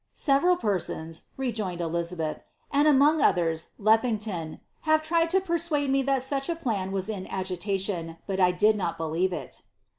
^ Several persons," rejoined Elizabeth, ^ and among others, Lethington, have tried to persuade me that such a plan was in agitation, but I did not believe it."